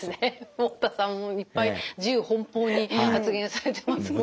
太田さんもいっぱい自由奔放に発言されてますもんね。